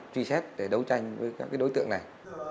truy xét để đấu tranh với các đối tượng này